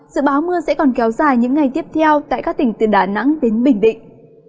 dự báo mưa sẽ còn kéo dài những ngày tiếp theo tại các tỉnh từ đà nẵng đến bình định